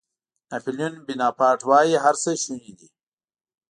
ناپیلیون بناپارټ وایي هر څه شوني دي.